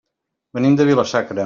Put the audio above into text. Venim de Vila-sacra.